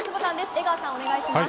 江川さん、お願いします。